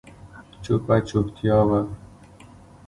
چوپه چوپتيا وه.